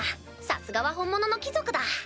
さすがは本物の貴族だ。